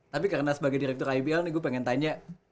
tapi karena sebagai direktur ibl nih gue pengen tanya